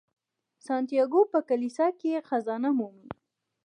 سانتیاګو په کلیسا کې خزانه مومي.